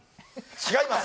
違います！